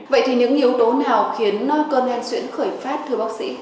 vậy thì những yếu tố nào khiến cơn hen xuyễn khởi phát thưa bác sĩ